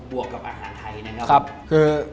บวกกับอาหารไทยนะครับผมครับคือคือ